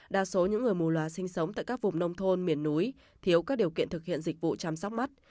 đa số những người mù loà sinh sống tại các vùng nông thôn miền núi thiếu các điều kiện thực hiện dịch vụ chăm sóc mắt